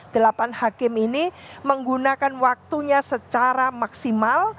delapan hakim ini menggunakan waktunya secara maksimal